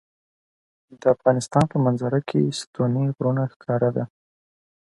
د افغانستان په منظره کې ستوني غرونه ښکاره ده.